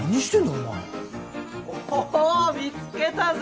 おお見つけたぜ！